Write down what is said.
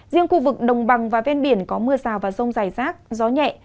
riêng khu vực đồng bằng và ven biển có mưa rào và rông dài rác gió nhẹ